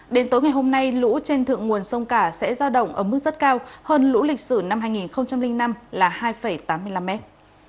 đến tối ngày hôm nay lũ trên thượng nguồn sông cả sẽ giao động ở mức rất cao hơn lũ lịch sử năm hai nghìn năm là hai tám mươi năm mét